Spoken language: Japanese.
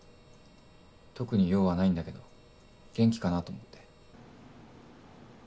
特に用はないんだけど元気かなと思って。